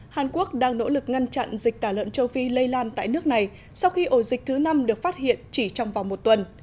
hàn quốc đang nỗ lực ngăn chặn dịch tả lợn châu phi lây lan tại nước này sau khi ổ dịch thứ năm được phát hiện chỉ trong vòng một tuần